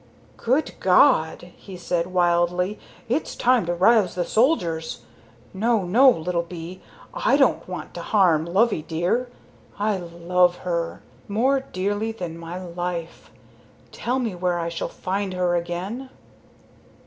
"Good God!" he said wildly. "It's time to rouse the soldiers. No, no, little bee, I don't want to harm Loveydear. I love her, more dearly than my life. Tell me where I shall find her again."